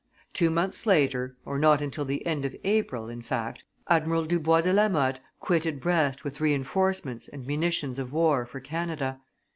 Two months later, or not until the end of April, in fact, Admiral Dubois de la Motte quitted Brest with re enforcements and munitions of war for Canada.